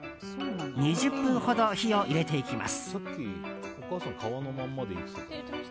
２０分ほど火を入れていきます。